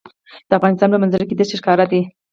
د افغانستان په منظره کې دښتې ښکاره دي.